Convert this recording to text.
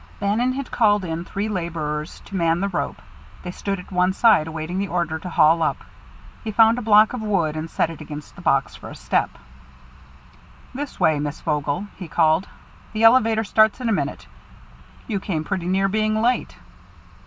Bannon had called in three laborers to man the rope; they stood at one side, awaiting the order to haul away. He found a block of wood, and set it against the box for a step. "This way, Miss Vogel," he called. "The elevator starts in a minute. You came pretty near being late."